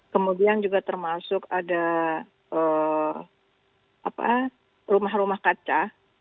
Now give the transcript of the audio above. kemudian juga termasuk ada rumah rumah kaca